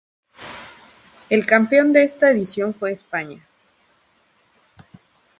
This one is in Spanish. El campeón de esta edición fue España.